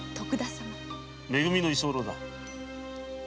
め組の居候だ。